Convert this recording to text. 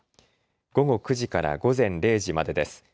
午後９時から午前０時までです。